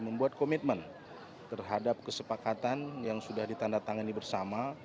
membuat komitmen terhadap kesepakatan yang sudah ditandatangani bersama